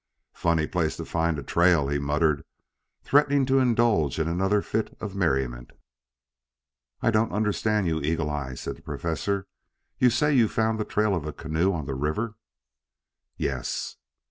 "Funny place to find a trail," he muttered, threatening to indulge in another fit of merriment. "I don't understand you, Eagle eye," said the Professor. "You say you found the trail of a canoe on the river?" "Yes."